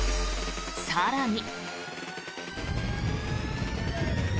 更に。